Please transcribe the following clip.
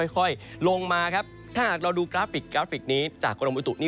ค่อยลงมาครับถ้าหากเราดูกราฟิกกราฟิกนี้จากกรมบุตุนี่